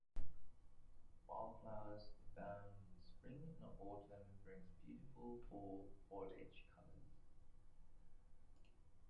Wildflowers abound in spring and autumn brings beautiful fall foliage colors.